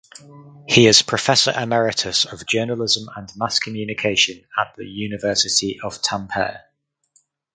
He is Professor Emeritus of Journalism and Mass Communication at the University of Tampere.